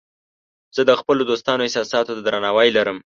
زه د خپلو دوستانو احساساتو ته درناوی لرم.